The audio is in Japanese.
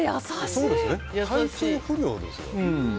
体調不良ですよ。